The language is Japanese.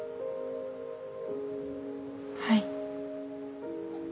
はい。